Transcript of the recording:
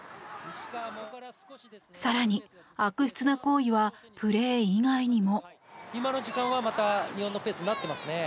更に、悪質な行為はプレー以外にも。